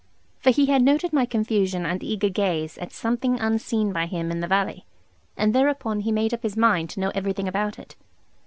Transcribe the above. For he had noted my confusion and eager gaze at something unseen by him in the valley, and thereupon he made up his mind to know everything about it.